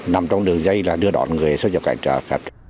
nằm trong đường dây là đưa đón người xuất nhập cảnh trái phép